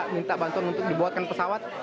minta bantuan untuk dibuatkan pesawat